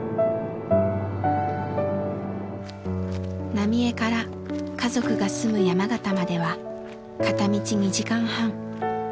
浪江から家族が住む山形までは片道２時間半。